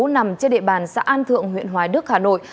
nằm trên địa bàn xã an thượng huyện hoài đức hà nội